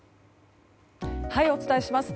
お伝えします。